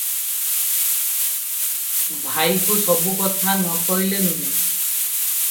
ଭାଇଙ୍କୁ ସବୁ କଥା ନ କହିଲେ ନୁହେ ।